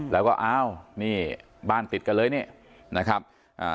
แล้วก็อ้าวนี่บ้านติดกันเลยนี่นะครับอ่า